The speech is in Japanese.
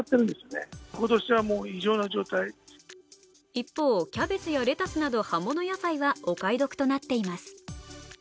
一方、キャベツやレタスなど葉物野菜はお買い得となっています。